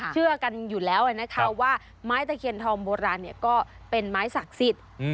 เชื่อกันอยู่แล้วนะคะว่าไม้ตะเคียนทองโบราณก็เป็นไม้ศักดิ์สิทธิ์